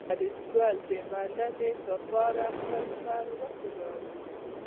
فریدګل د مننې په پار خپل سر وښوراوه